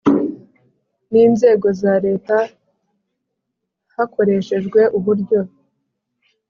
N inzego za leta hakoreshejwe uburyo